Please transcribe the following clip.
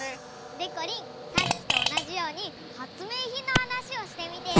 でこりんさっきとおなじようにはつめいひんのはなしをしてみてよ！